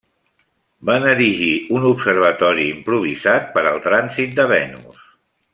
Van erigir un observatori improvisat per al trànsit de Venus.